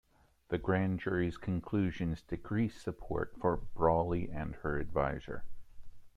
The grand jury's conclusions decreased support for Brawley and her advisers.